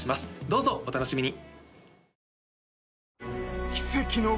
どうぞお楽しみに！